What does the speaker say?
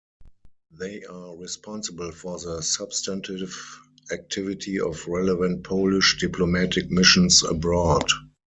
They are responsible for the substantive activity of relevant Polish diplomatic missions abroad.